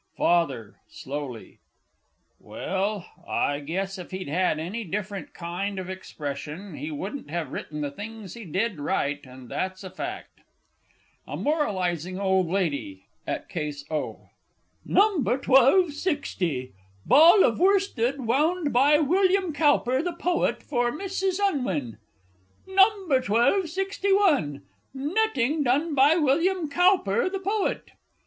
FATHER (slowly). Well, I guess if he'd had any different kind of expression, he wouldn't have written the things he did write, and that's a fact! A MORALISING OLD LADY (at Case O). No. 1260. "Ball of Worsted wound by William Cowper, the poet, for Mrs. Unwin." No. 1261. "Netting done by William Cowper, the poet."